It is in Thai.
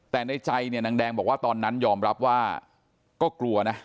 แต่ในใจเนี่ยนางแดงบอกว่าตอนนั้นยอมรับว่าก็กลัวนะ